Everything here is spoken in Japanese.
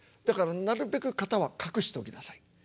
だからなるべく型は隠しておきなさい。